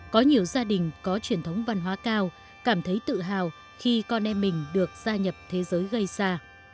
có nhiều gia đình có truyền thống văn hóa cao cảm thấy tự hào khi con em mình được gia nhập thế giới gây ra